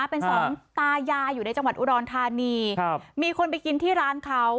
เป็นสองตายายอยู่ในจังหวัดอุดรธานีมีคนไปกินที่ร้านเขา